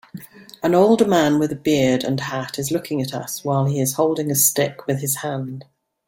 An older man with a beard and hat is looking at us while he is holding a stick with his hand